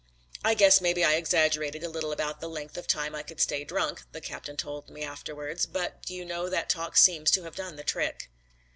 "I guess maybe I exaggerated a little about the length of time I could stay drunk," the captain told me afterwards, "but do you know that talk seems to have done the trick."